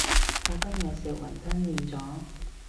我今日食雲吞麵咗